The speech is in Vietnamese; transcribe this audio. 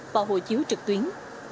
và hộ chiếu trực tuyến